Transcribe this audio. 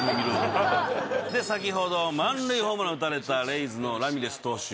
先ほど満塁ホームランを打たれたレイズのラミレス投手。